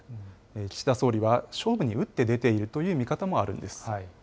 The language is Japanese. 岸田総理は勝負に打って出ているという見方もあるんです。